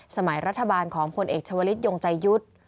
สมัยรัฐบาลของผลเอกชาวลิศยงใจยุทธ์